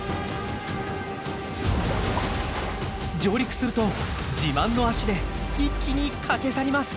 上陸すると自慢の足で一気に駆け去ります！